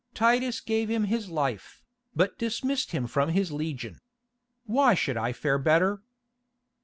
Titus gave him his life, but dismissed him from his legion. Why should I fare better?"